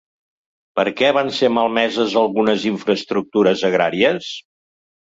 Per què van ser malmeses algunes infraestructures agràries?